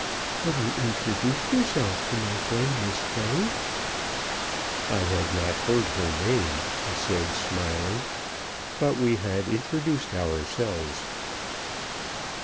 Have you introduced yourself to my friend Miss Fay?" "I had not heard her name," he said smiling, "but we had introduced ourselves."